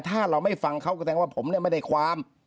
แต่ถ้าเราไม่ฟังเขาก็แสดงว่าผมไม่ได้ความ